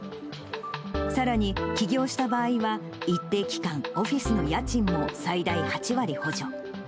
さらに起業した場合は、一定期間、オフィスの家賃も最大８割補助。